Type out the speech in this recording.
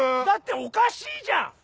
だっておかしいじゃん！